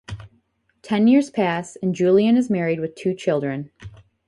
Ten years pass, and Julien is married with two children.